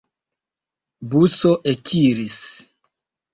Buso ekiris.